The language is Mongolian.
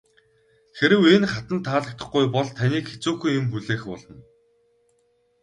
Хэрэв энэ хатанд таалагдахгүй бол таныг хэцүүхэн юм хүлээх болно.